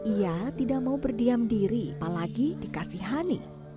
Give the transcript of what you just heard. ia tidak mau berdiam diri apalagi dikasih hani